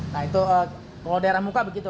nah itu kalau daerah muka begitu